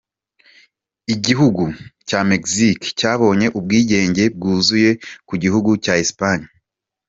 Igihugu cya Mexique cyabonye ubwigenge bwuzuye ku gihugu cya Espagne.